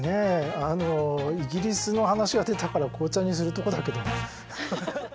イギリスの話が出たから紅茶にするとこだけど。